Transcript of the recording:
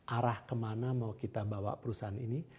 arah kemana mau kita bawa perusahaan ini